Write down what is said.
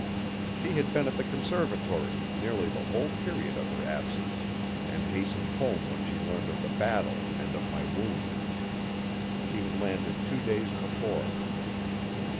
She had been at the Conservatory, nearly the whole period of her absence, and hastened home when she learned of the battle and of my wound. She had landed two days before.